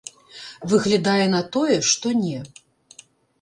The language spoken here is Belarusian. Выглядае на тое, што не.